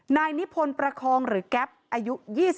นายนิพนธ์ประคองหรือแก๊ปอายุ๒๓